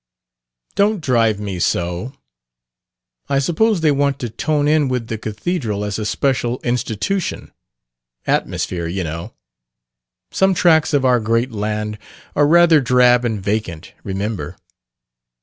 "Don't drive me so! I suppose they want to tone in with the cathedral as a special institution. 'Atmosphere,' you know. Some tracts of our great land are rather drab and vacant, remember.